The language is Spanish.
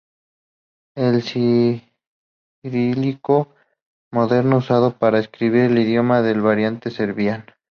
El cirílico moderno usado para escribir el idioma es la variante serbia.